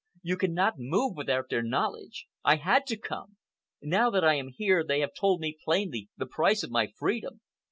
You cannot move without their knowledge. I had to come. Now that I am here they have told me plainly the price of my freedom.